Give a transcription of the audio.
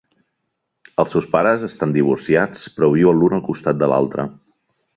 Els seus pares estan divorciats però viuen l'un al costat de l'altre.